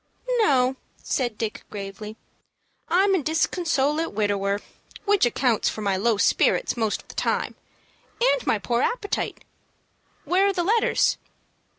"No," said Dick, gravely, "I'm a disconsolate widower, which accounts for my low spirits most of the time, and my poor appetite. Where are the letters?"